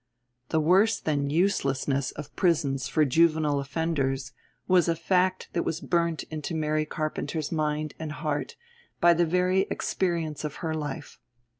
The worse than uselessness of prisons for juvenile offenders was a fact that was burnt into Mary Carpenter's mind and heart by the experience of her life.